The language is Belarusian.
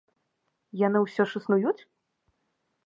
Яны ўсё ж існуюць!?